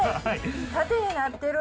縦になってる。